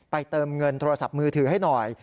ไปเติมเงินโทรสอบมือถือให้หน่อย